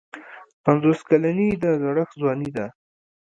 پنځوس کلني د زړښت ځواني ده.